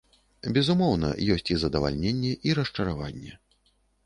Безумоўна, ёсць і задавальненне, і расчараванне.